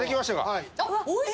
はい。